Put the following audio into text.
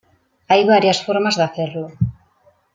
Hay varias formas de hacerlo.